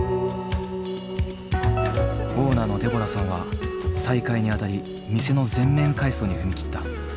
オーナーのデボラさんは再開にあたり店の全面改装に踏み切った。